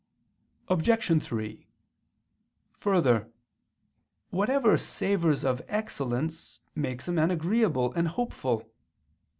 Obj. 3: Further, whatever savors of excellence makes a man agreeable and hopeful.